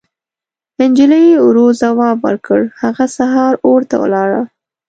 نجلۍ ورو ځواب ورکړ: هغه سهار اور ته ولاړه.